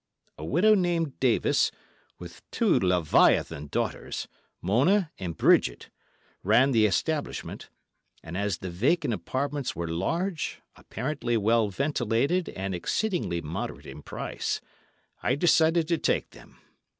A widow named Davis, with two leviathan daughters, Mona and Bridget, ran the establishment, and as the vacant apartments were large, apparently well ventilated and exceedingly moderate in price, I decided to take them.